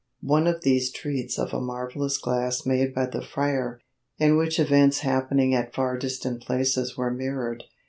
] One of these treats of a marvellous "glass" made by the friar, in which events happening at far distant places were mirrored.